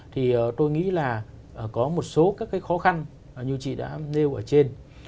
thì tôi nghĩ là có một số các cái khó khăn như chị đã nêu ở trên